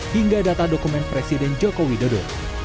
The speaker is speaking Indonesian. hingga data dokumen presiden joko widodo